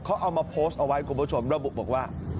เขาเอามาโพสต์เอาไว้คุณผู้ชมระบุบอกว่า